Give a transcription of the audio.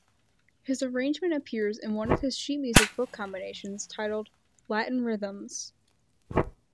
His arrangement appears in one of his sheet-music book combinations, titled "Latin Rhythms".